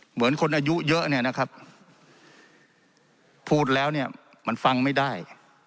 เหมือนคนอายุเยอะเนี่ยนะครับพูดแล้วเนี่ยมันฟังไม่ได้